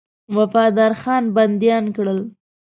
وفادارخان بنديان کړل.